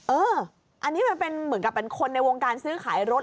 เอออันนี้มันเป็นเหมือนกับเป็นคนในวงการซื้อขายรถ